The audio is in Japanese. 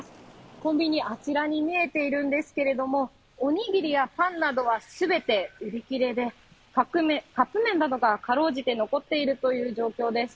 コンビニ、あちらに見えているんですけれども、おにぎりやパンなどは全て売り切れで、カップ麺などが辛うじて残っているという状況です。